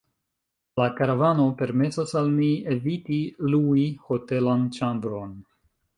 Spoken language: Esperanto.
La karavano permesas al mi eviti lui hotelan ĉambron.